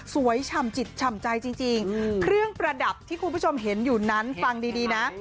ฉ่ำจิตฉ่ำใจจริงเครื่องประดับที่คุณผู้ชมเห็นอยู่นั้นฟังดีนะ